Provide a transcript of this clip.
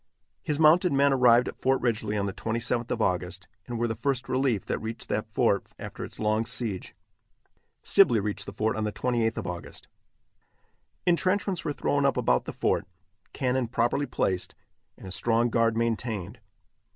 His mounted men arrived at Fort Ridgely on the 27th of August, and were the first relief that reached that fort after its long siege. Sibley reached the fort on the 28th of August. Intrenchments were thrown up about the fort, cannon properly placed, and a strong guard maintained.